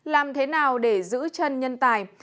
làm thế nào để giữ chân nhân tài